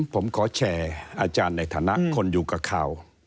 ผมขอแชร์อาจารย์ในฐานะคนอยู่กับข่าว